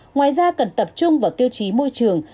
ngoài ra cần tập trung vào tiêu chí môi trường